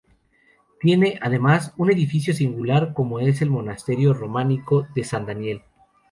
Tiene, además, un edificio singular, como es el monasterio románico de San Daniel.